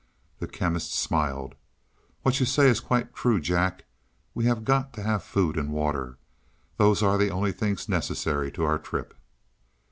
The Chemist smiled. "What you say is quite true, Jack, we have got to have food and water; those are the only things necessary to our trip."